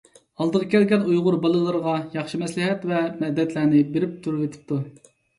ئالدىغا كەلگەن ئۇيغۇر بالىلىرىغا ياخشى مەسلىھەت ۋە مەدەتلەرنى بېرىپ تۇرۇۋېتىپتۇ.